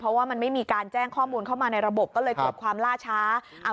เพราะว่ามันไม่มีการแจ้งข้อมูลเข้ามาในระบบก็เลยเกิดความล่าช้า